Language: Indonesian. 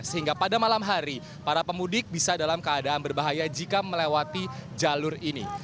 sehingga pada malam hari para pemudik bisa dalam keadaan berbahaya jika melewati jalur ini